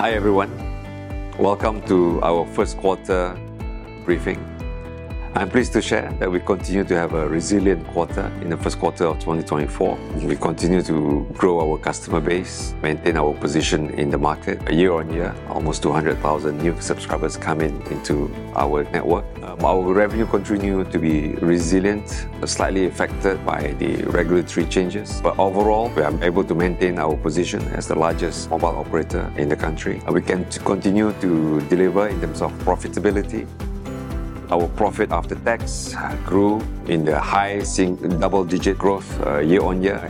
Hi, everyone. Welcome to our first quarter briefing. I'm pleased to share that we continue to have a resilient quarter in the first quarter of 2024. We continue to grow our customer base, maintain our position in the market. Year-on-year, almost 200,000 new subscribers coming into our network. Our revenue continue to be resilient, slightly affected by the regulatory changes, but overall, we are able to maintain our position as the largest mobile operator in the country, and we can continue to deliver in terms of profitability. Our profit after tax grew in the high single-double-digit growth, year-on-year.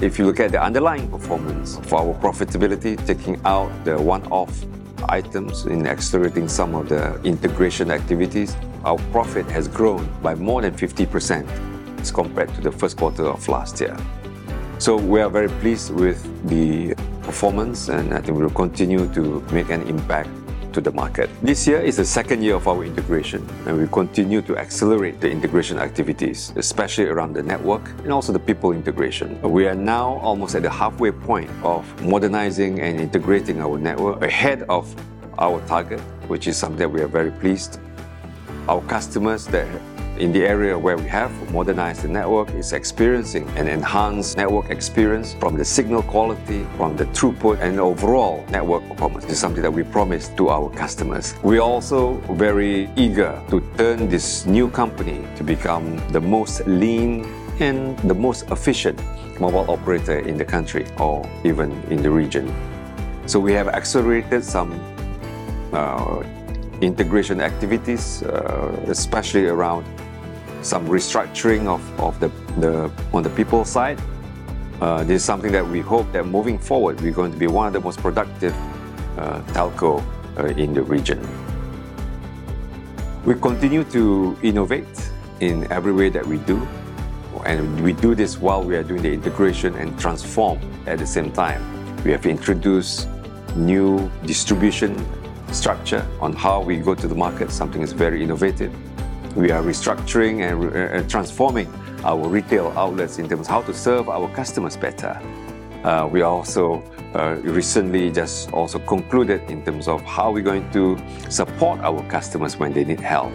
If you look at the underlying performance for our profitability, taking out the one-off items in accelerating some of the integration activities, our profit has grown by more than 50% as compared to the first quarter of last year. We are very pleased with the performance, and I think we will continue to make an impact to the market. This year is the second year of our integration, and we continue to accelerate the integration activities, especially around the network and also the people integration. We are now almost at the halfway point of modernizing and integrating our network ahead of our target, which is something we are very pleased. Our customers that in the area where we have modernized the network, is experiencing an enhanced network experience from the signal quality, from the throughput, and overall network performance. This is something that we promised to our customers. We are also very eager to turn this new company to become the most lean and the most efficient mobile operator in the country or even in the region. So we have accelerated some integration activities, especially around some restructuring of the on the people side. This is something that we hope that moving forward, we're going to be one of the most productive telco in the region. We continue to innovate in every way that we do, and we do this while we are doing the integration and transform at the same time. We have introduced new distribution structure on how we go to the market, something that's very innovative. We are restructuring and transforming our retail outlets in terms of how to serve our customers better. We also recently just also concluded in terms of how we're going to support our customers when they need help,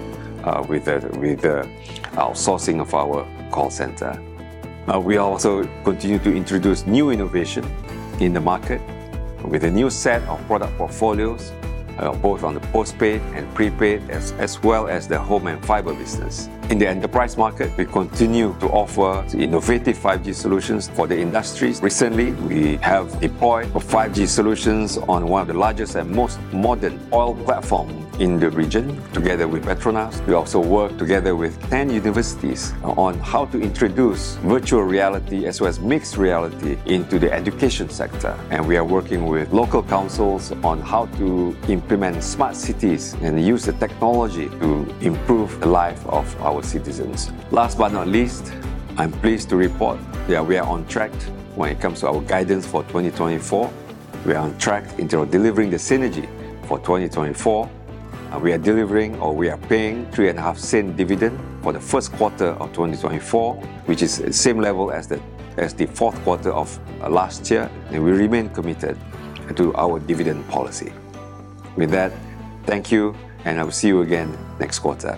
with the outsourcing of our call center. We also continue to introduce new innovation in the market with a new set of product portfolios, both on the postpaid and prepaid, as well as the home and fiber business. In the enterprise market, we continue to offer innovative 5G solutions for the industries. Recently, we have deployed 5G solutions on one of the largest and most modern oil platform in the region, together with PETRONAS. We also work together with 10 universities on how to introduce virtual reality as well as mixed reality into the education sector, and we are working with local councils on how to implement smart cities and use the technology to improve the life of our citizens. Last but not least, I'm pleased to report that we are on track when it comes to our guidance for 2024. We are on track in terms of delivering the synergy for 2024, and we are delivering, or we are paying 0.035 dividend for the first quarter of 2024, which is the same level as the, as the fourth quarter of last year, and we remain committed to our dividend policy. With that, thank you, and I will see you again next quarter.